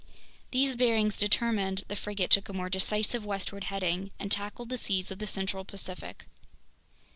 These bearings determined, the frigate took a more decisive westward heading and tackled the seas of the central Pacific.